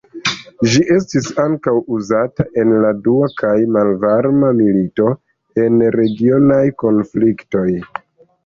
Ĝi estis ankaŭ uzata en la dua kaj malvarma milito, en regionaj konfliktoj.